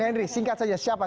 henry singkat saja siapa